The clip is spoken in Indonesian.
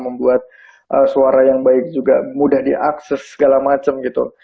membuat suara yang baik juga mudah diakses segala macam gitu